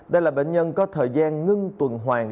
đây là bệnh nhân có thời gian ngưng tuần hoàng